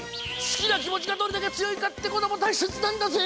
すきなきもちがどれだけつよいかってこともたいせつなんだぜ！